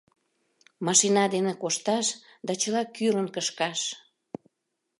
Машина дене кошташ да чыла кӱрын кышкаш.